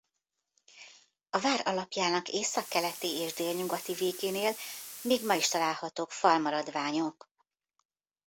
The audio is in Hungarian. A vár alapjának északkeleti és délnyugati végénél még ma is találhatók falmaradványok.